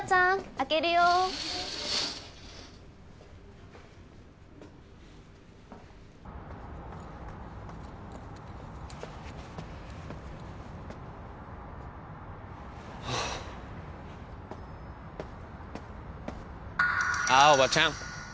開けるよはあ青葉ちゃん